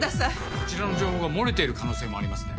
こちらの情報が漏れている可能性もありますね。